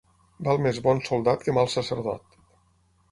Val més bon soldat que mal sacerdot.